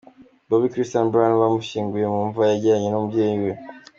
Bobbi Kristina Brown bamushyinguye mu mva yegeranye n’iy’umubyeyi we.